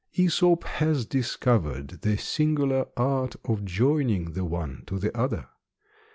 Æsop has discovered the singular art of joining the one to the other.